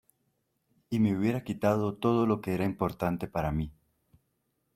Y me hubieras quitado todo lo que era importante para mí